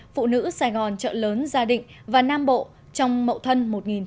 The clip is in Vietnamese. phụ nữ sài gòn chợ lớn gia định và nam bộ trong mậu thân một nghìn chín trăm sáu mươi tám